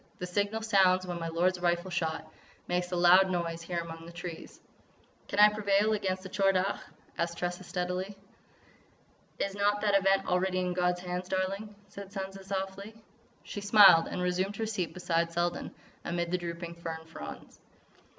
The signal sounds when my lord's rifle shot makes a loud noise here among these trees." "Can I prevail against the Tchor Dagh?" asked Tressa, steadily. "Is not that event already in God's hands, darling?" said Sansa softly. She smiled and resumed her seat beside Selden, amid the drooping fern fronds.